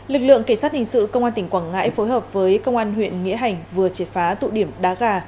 lực lượng kỳ sát hình sự công an tỉnh quảng ngãi phối hợp với công an huyện nghĩa hành vừa triệt phá tụ điểm đá gà